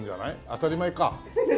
当たり前か。